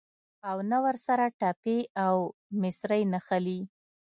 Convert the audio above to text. او نه ورسره ټپې او مصرۍ نښلي.